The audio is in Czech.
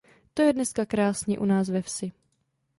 To je dneska krásně u nás ve vsi!